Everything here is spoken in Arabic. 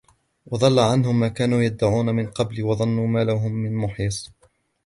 وضل عنهم ما كانوا يدعون من قبل وظنوا ما لهم من محيص